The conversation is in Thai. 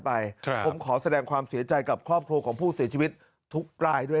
ผมขอแสดงความเสียใจกับครอบครัวของผู้เสียชีวิตทุกรายด้วย